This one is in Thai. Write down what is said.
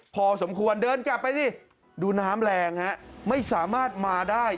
พอสมควรเดินกลับไปสิดูน้ำแรงฮะไม่สามารถมาได้